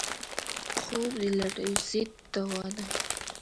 خوب د لټیو ضد دوا ده